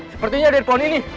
sepertinya ada di pohon ini